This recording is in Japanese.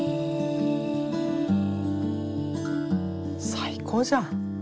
最高じゃん。